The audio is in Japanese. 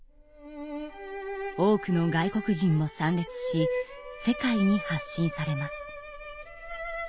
多くの外国人も参列し世界に発信されます。